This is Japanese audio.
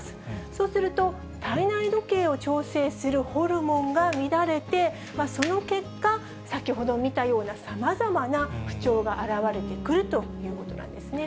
そうすると体内時計を調整するホルモンが乱れて、その結果、先ほど見たようなさまざまな不調が表れてくるということなんですね。